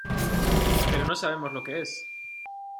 pero no sabemos lo que es.